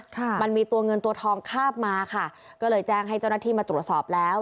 ค่ะมันมีตัวเงินตัวทองคาบมาค่ะก็เลยแจ้งให้เจ้าหน้าที่มาตรวจสอบแล้ว